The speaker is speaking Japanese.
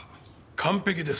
完璧です。